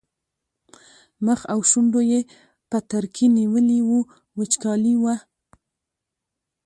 مخ او شونډو یې پترکي نیولي وو وچکالي وه.